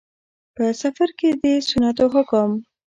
په. سفر کې د سنتو حکم